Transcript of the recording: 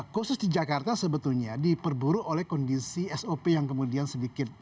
khusus di jakarta sebetulnya diperburu oleh kondisi sop yang kemudian sedikit